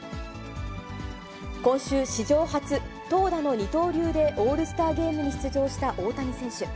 今週、史上初、投打の二刀流でオールスターゲームに出場した大谷選手。